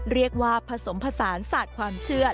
เรียกว่าผสมผสานศาสตร์ความเชื่อ